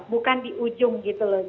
bukan di ujung gitu loh